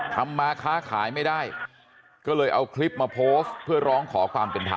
ทำมาค้าขายไม่ได้ก็เลยเอาคลิปมาโพสต์เพื่อร้องขอความเป็นธรรม